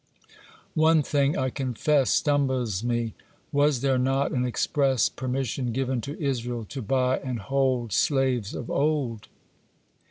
One thing, I confess, stumbles me:—Was there not an express permission given to Israel to buy and hold slaves of old?